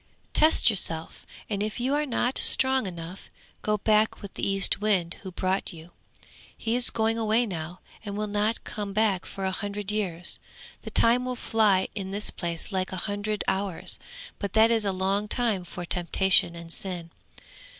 'Test yourself, and if you are not strong enough, go back with the Eastwind who brought you. He is going away now, and will not come back for a hundred years; the time will fly in this place like a hundred hours, but that is a long time for temptation and sin.